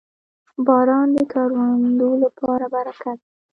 • باران د کروندو لپاره برکت دی.